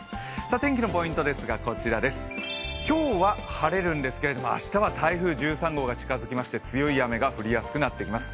天気のポイントですが今日は晴れるんですけれども明日は台風１３号が近づきまして強い雨が降りやすくなってきます